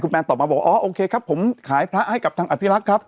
แนนตอบมาบอกอ๋อโอเคครับผมขายพระให้กับทางอภิรักษ์ครับ